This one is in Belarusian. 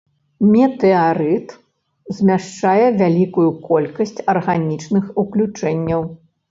Метэарыт змяшчае вялікую колькасць арганічных уключэнняў.